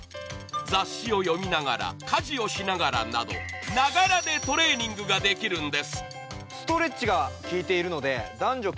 雑誌を読みながら、家事をしながらなどながらでトレーニングができるんです。